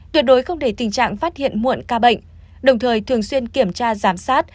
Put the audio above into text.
tuyệt đối không để tình trạng phát hiện muộn ca bệnh đồng thời thường xuyên kiểm tra giám sát